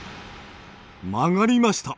曲がりました。